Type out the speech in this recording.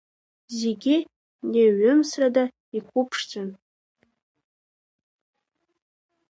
Зегьы неиҩымсрада иқәыԥшцәан.